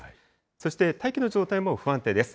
そして大気の状態も不安定です。